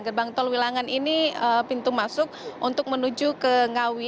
gerbang tol wilangan ini pintu masuk untuk menuju ke ngawi